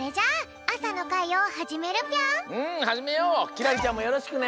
輝星ちゃんもよろしくね。